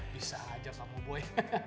bisa aja pak mo boy